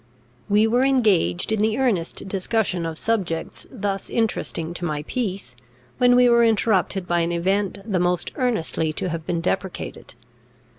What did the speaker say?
We were engaged in the earnest discussion of subjects thus interesting to my peace, when we were interrupted by an event the most earnestly to have been deprecated.